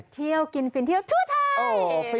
เที่ยวกินฟินเที่ยวทั่วไทย